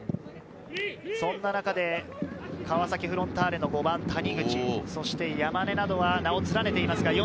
そんな中で川崎フロンターレの５番・谷口、そして山根などが名を連ねています。